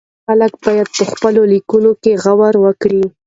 خلک بايد په خپلو ليکنو کې غور وکړي.